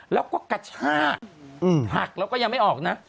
แล้วก็กระชากหักแล้วก็ยังไม่ออกนะ